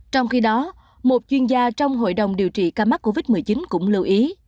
trong khi đó một chuyên gia trong hội đồng điều trị ca mắc covid một mươi chín cũng lưu ý